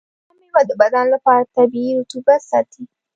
دا میوه د بدن لپاره طبیعي رطوبت ساتي.